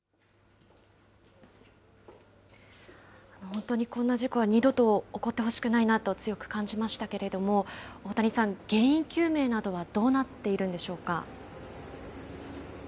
本当にこんな事故は二度と起こってほしくないなと強く感じましたけれども、大谷さん、原因究明などはどうなっているんでしょうか。